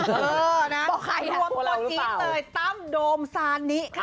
เออนะรวมคนกินเลยตั้มโดมซานนี้ค่ะ